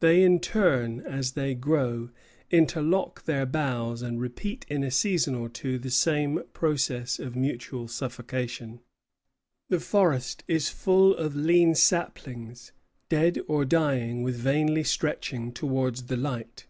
They in turn, as they grow, interlock their boughs, and repeat in a season or two the same process of mutual suffocation. The forest is full of lean saplings dead or dying with vainly stretching towards the light.